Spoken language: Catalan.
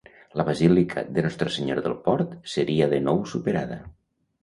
La Basílica de Nostra Senyora del Port, seria de nou superada.